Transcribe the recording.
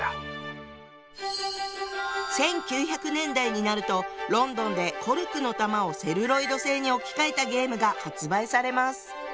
１９００年代になるとロンドンでコルクの球をセルロイド製に置き換えたゲームが発売されます。